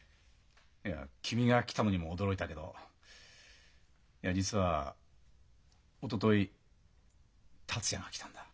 いや君が来たのにも驚いたけどいや実はおととい達也が来たんだ。